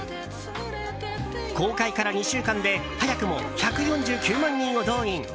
公開から２週間で早くも１４９万人を動員。